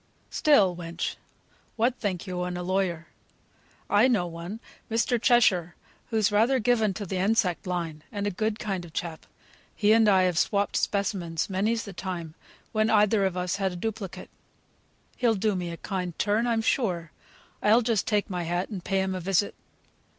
Still, wench! what think yo of a lawyer? I know one, Mr. Cheshire, who's rather given to th' insect line and a good kind o' chap. He and I have swopped specimens many's the time, when either of us had a duplicate. He'll do me a kind turn, I'm sure. I'll just take my hat, and pay him a visit."